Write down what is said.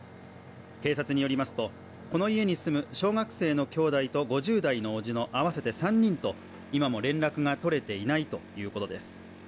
警察によりますと、この家に住む小学生の兄弟と５０代の伯父の合わせて３人と今も連絡が取れていないということです。